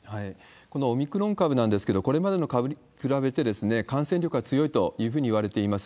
このオミクロン株なんですけど、これまでの株に比べて感染力が強いというふうにいわれています。